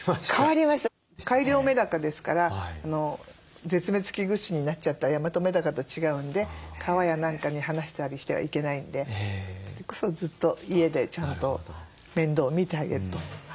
改良メダカですから絶滅危惧種になっちゃったヤマトメダカと違うんで川や何かに放したりしてはいけないんでそれこそずっと家でちゃんと面倒を見てあげると。